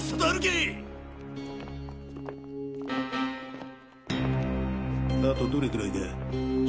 あとどれくらいだ？